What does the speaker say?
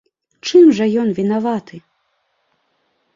Чым жа ён вінаваты?